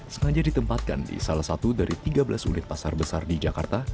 sengaja ditempatkan di salah satu dari tiga belas unit pasar besar di jakarta